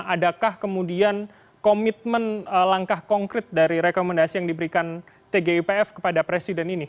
adakah kemudian komitmen langkah konkret dari rekomendasi yang diberikan tgipf kepada presiden ini